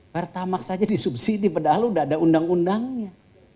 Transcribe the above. pertamak saja disubsidi padahal sudah ada undang undangnya